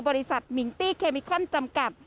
บริษัทมิงตี้เคมิคอนจำกัด